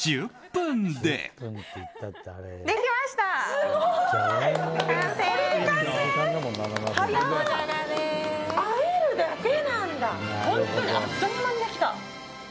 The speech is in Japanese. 本当にあっという間にできた。